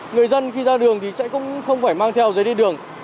người dân khi ra đường thì chạy không phải mang theo giấy điện đường